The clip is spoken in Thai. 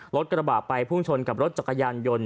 รถกระบะไปพุ่งชนกับรถจักรยานยนต์